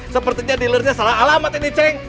sepertinya dealernya salah alamat ini ceng